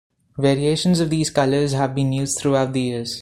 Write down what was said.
Variations of these colours have been used throughout the years.